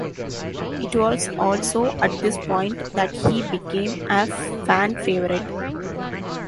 It was also at this point that he became a fan favourite.